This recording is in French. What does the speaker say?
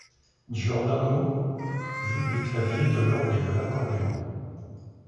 Giordano joue des claviers, de l'orgue et de l'accordéon.